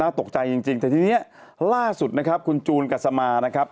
ตกใจจริงแต่ทีนี้ล่าสุดนะครับคุณจูนกัสมานะครับ